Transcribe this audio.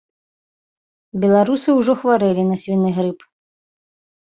Беларусы ўжо хварэлі на свіны грып!